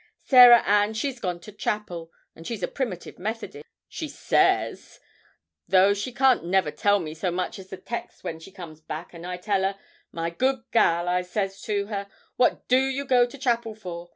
Sarah Ann she's gone to chapel, which she's a Primitive Methodist, she says, though she can't never tell me so much as the text when she come back, and I tell her, "My good gal," I ses to her, "what do you go to chapel for?"